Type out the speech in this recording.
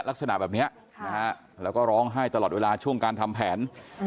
ลักษณะแบบนี้แล้วก็ร้องไห้ตลอดเวลาช่วงการทำแผน